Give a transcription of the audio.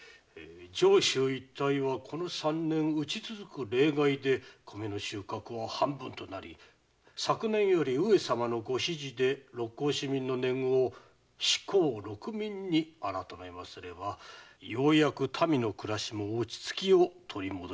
上州一帯はこの三年うち続く冷害で米の収穫は半分となり昨年より上様のご指示で六公四民の年貢を四公六民に改めますればようやく民の暮らしも落ち着きを取り戻しつつあると。